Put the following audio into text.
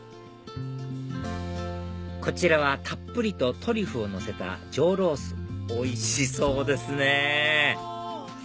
こちらはたっぷりとトリュフをのせた上ロースおいしそうですね！